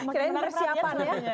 kirain persiapan ya